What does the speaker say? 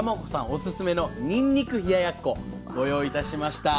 オススメのにんにく冷ややっこご用意いたしました。